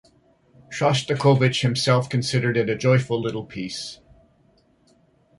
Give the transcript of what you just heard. Shostakovich himself considered it "a joyful little piece".